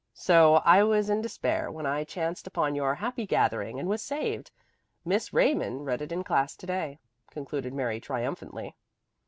So I was in despair when I chanced upon your happy gathering and was saved. Miss Raymond read it in class to day," concluded Mary triumphantly.